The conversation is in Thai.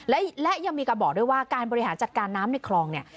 และยังมีการบอกด้วยว่าการบริหารจัดการน้ำในคลองเนี่ย